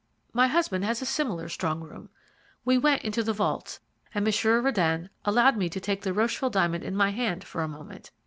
My husband has a similar strong room. We went into the vaults, and Monsieur Röden allowed me to take the Rocheville diamond in my hand for a moment.